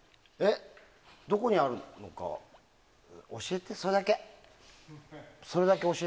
どこにあるのか教えてそれだけ。